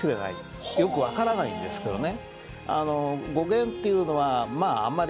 よく分からないんですけどね。